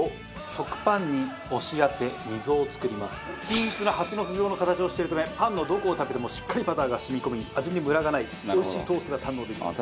均一な蜂の巣状の形をしているためパンのどこを食べてもしっかりバターが染み込み味にムラがないおいしいトーストが堪能できます。